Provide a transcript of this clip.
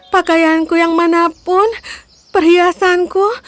pakaianku yang manapun perhiasanku